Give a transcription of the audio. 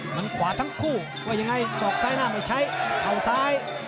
มันขวาทั้งคู่ว่ายังไงสอกซ้ายหน้าไม่ใช้เข่าซ้าย